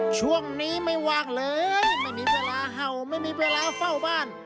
ช่วงนี้ไม่ว่างเลยไม่มีเวลาเห่าไม่มีเวลาเฝ้าบ้าน